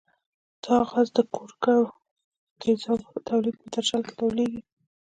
دا غاز د ګوګړو تیزابو د تولید په درشل کې تولیدیږي.